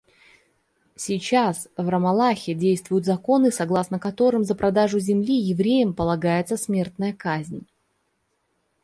Сейчас в Рамаллахе действуют законы, согласно которым за продажу земли евреям полагается смертная казнь.